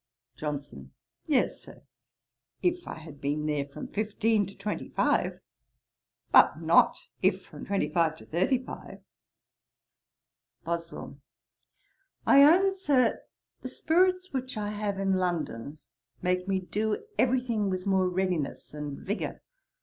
JOHNSON. 'Yes, Sir, if I had been there from fifteen to twenty five; but not if from twenty five to thirty five.' BOSWELL. 'I own, Sir, the spirits which I have in London make me do every thing with more readiness and vigour.